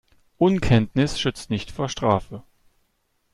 Unkenntnis schützt nicht vor Strafe.